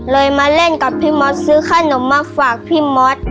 มาเล่นกับพี่มอสซื้อขนมมาฝากพี่มอส